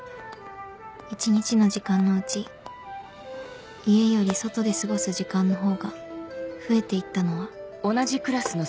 一日の時間のうち家より外で過ごす時間の方が増えていったのは